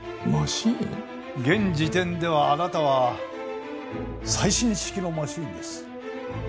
現時点ではあなたは最新式のマシンです。